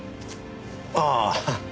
ああ。